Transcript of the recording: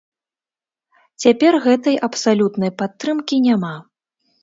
Цяпер гэтай абсалютнай падтрымкі няма.